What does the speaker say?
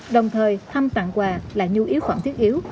đồng thời thăm tặng quà là nhu yếu phẩm thiết yếu